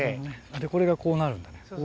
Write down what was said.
これがこうなるんだね。